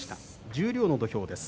十両の土俵です。